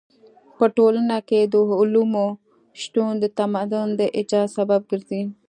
په ټولنه کې د علومو شتون د تمدن د ايجاد سبب ګرځي.